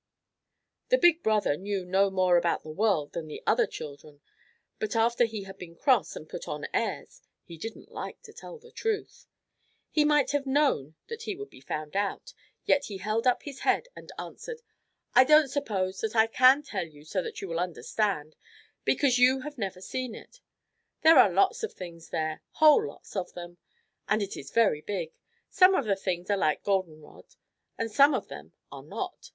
The big brother knew no more about the world than the other children, but after he had been cross and put on airs he didn't like to tell the truth. He might have known that he would be found out, yet he held up his head and answered: "I don't suppose that I can tell you so that you will understand, because you have never seen it. There are lots of things there whole lots of them and it is very big. Some of the things are like golden rod and some of them are not.